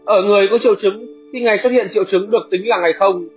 ở người có triệu chứng thì ngày xuất hiện triệu chứng được tính là ngày không